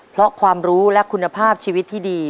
เพราะความรู้และคุณภาพชีวิตที่ดี